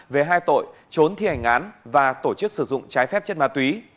về hai tội trốn thi hành án và tổ chức sử dụng trái phép chất ma túy